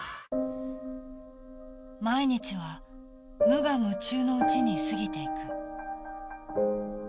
毎日は無我夢中のうちに過ぎていく。